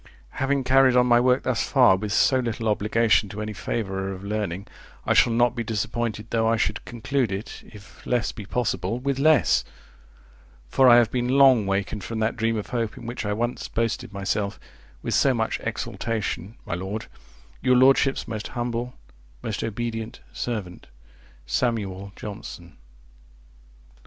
Having carried on my work thus far with so little obligation to any favourer of learning, I shall not be disappointed though I should conclude it, if less be possible, with less; for I have been long wakened from that dream of hope, in which I once boasted myself with so much exultation, My Lord, Your lordship's most humble, most obedient servant, Sam. Johnson.